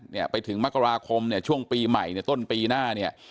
เนี่ยไปถึงมกราคมเนี่ยช่วงปีใหม่ในต้นปีหน้าเนี่ย